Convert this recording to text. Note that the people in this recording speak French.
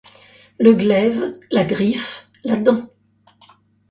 Le glaive, la griffe, la dent ;